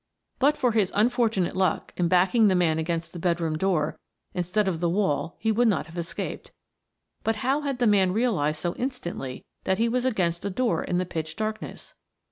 But for his unfortunate luck in backing the man against the bedroom door instead of the wall he would not have escaped, but how had the man realized so instantly that he was against a door in the pitch darkness?